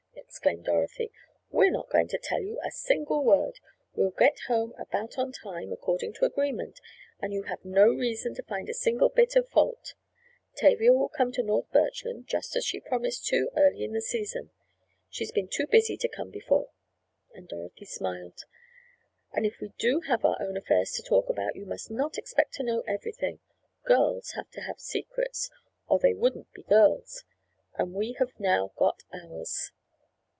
exclaimed Dorothy. "We're not going to tell you a single word. We'll get home about on time, according to agreement, and you have no reason to find a single bit of fault. Tavia will come to North Birchland just as she promised to early in the season. She's been too busy to come before," and Dorothy smiled. "And if we do have our own affairs to talk about you must not expect to know everything. Girls have to have secrets, or they wouldn't be girls, and we have now got ours."